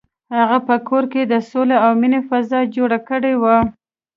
هغه په کور کې د سولې او مینې فضا جوړه کړې وه.